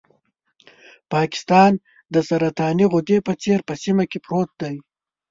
پاکستان د سرطاني غدې په څېر په سیمه کې پروت دی.